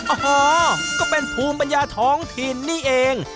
โอ้โหก็เป็นภูมิปัญญาท้องถิ่นนี่เอง